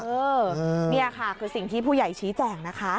เออนี่ค่ะคือสิ่งที่ผู้ใหญ่ชี้แจ่งนะคะ